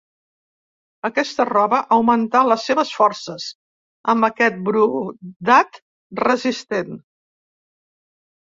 Aquesta roba augmentà les seves forces amb aquest brodat resistent.